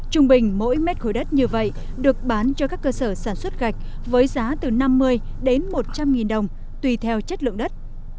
trung bình mỗi mét khối đất như vậy được bán cho các cơ sở sản xuất gạch với giá từ năm mươi đến một trăm linh nghìn đồng tùy theo chất lượng đất